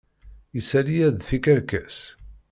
Isali-ya d tikerkas.